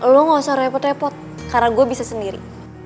lo gak usah repot repot karena gue bisa sendiri